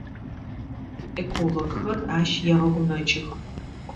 Экологхэр ащ егъэгумэкӏых.